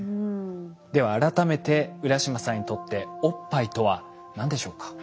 では改めて浦島さんにとっておっぱいとは何でしょうか？